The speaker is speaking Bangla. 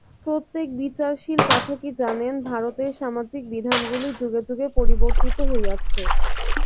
প্রত্যেক বিচারশীল পাঠকই জানেন, ভারতের সামাজিক বিধানগুলি যুগে যুগে পরিবর্তিত হইয়াছে।